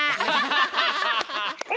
ハハハハ！